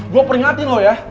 gue peringatin lo ya